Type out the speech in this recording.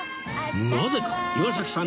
なぜか岩崎さん